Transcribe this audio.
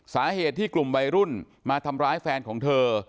สาเหตุที่กลุ่มวัยรุ่นมาทำร้ายแฟนของเธอ